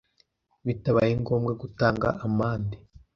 bitabaye ngombwa gutanga amande